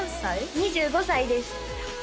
２５歳です